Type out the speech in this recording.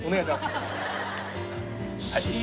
はい。